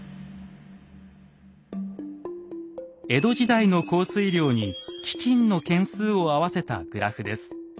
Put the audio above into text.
江戸時代の降水量に飢きんの件数を合わせたグラフです。